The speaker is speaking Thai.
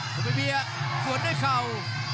คุณเป็นเบียร์สวนด้วยเข่า